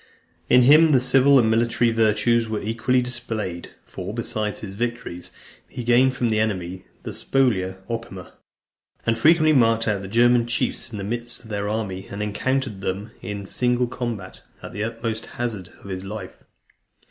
In him the civil and military virtues were equally displayed; for, besides his victories, he gained from the enemy the Spolia Opima , and frequently marked out the German chiefs in the midst of their army, and encountered them in single combat, at the utmost hazard of his life.